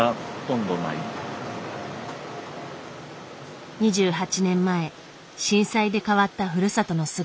２８年前震災で変わったふるさとの姿。